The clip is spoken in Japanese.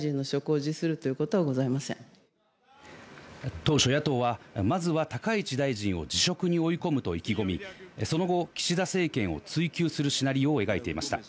当初野党は、まずは高市大臣を辞職に追い込むと意気込み、その後、岸田政権を追及するシナリオを描いていました。